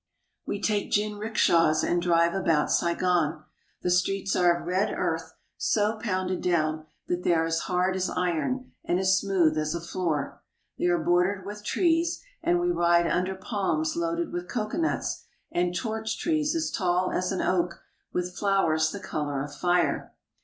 We take jinrikishas and drive about Saigon. The streets are of red earth so pounded down that they are as hard as iron and as smooth as a floor. They are bordered with trees, and we ride under palms loaded with coconuts and torch trees as tall as an oak with flowers the color of fire.